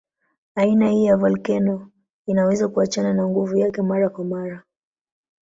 Aina hiyo ya volkeno inaweza kuachana na nguvu yake mara kwa mara.